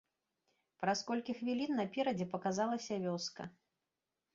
Праз колькі хвілін наперадзе паказалася вёска.